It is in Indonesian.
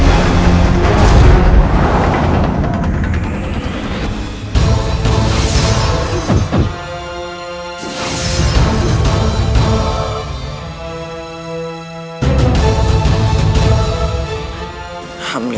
aku tidak peduli